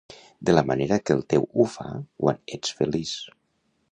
De la manera que el teu ho fa quan ets feliç.